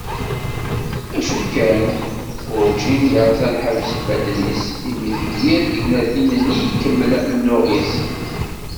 Acu kan, urǧin yerẓa lḥebs ifadden-is imi deg yir tignatin-nni ikemmel amennuɣ-is.